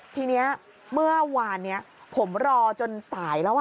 ทีนี้เมื่อวานนี้ผมรอจนสายแล้ว